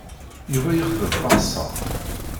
Yuba yexdem taxeṣṣaṛt.